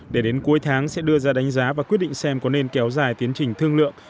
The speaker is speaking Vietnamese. để đến cuối tháng sẽ đưa ra đánh giá và quyết định xem có nên kéo dài tiến trình thương lượng